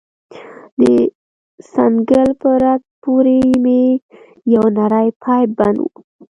د څنگل په رگ پورې مې يو نرى پيپ بند و.